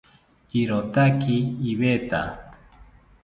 Irotaki iveta